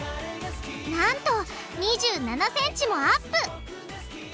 なんと２７ｃｍもアップ！